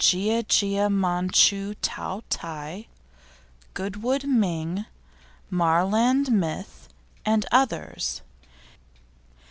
Gia Gia, Manchu Tao Tai, Goodwood Ming, Marland Myth, and others.